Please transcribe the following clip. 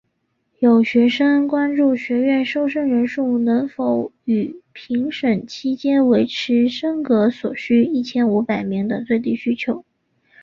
有学生关注学院收生人数能否于评审期间维持升格所需一千五百名的最低要求。